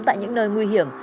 tại những nơi nguy hiểm